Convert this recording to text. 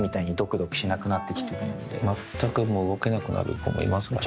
全く動けなくなる子もいますからね。